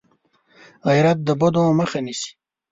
غیرت د بدو مخه نیسي